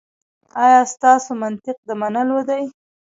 ایا ستاسو منطق د منلو دی؟